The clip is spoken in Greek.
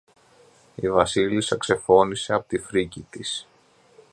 Η Βασίλισσα ξεφώνισε από τη φρίκη της